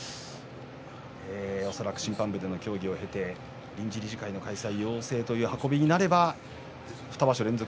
審判部でも協議を経て臨時理事会開催要請ということになれば２場所連続。